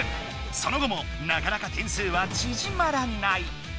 その後もなかなか点数はちぢまらない。